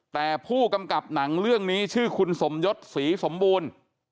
แต่ผู้กำกับหนังเรื่องนี้ชื่อคุณสมยศศรีสมบูรณ์